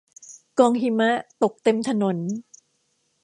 กองหิมะ ตกเต็มถนน